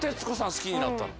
好きになったの？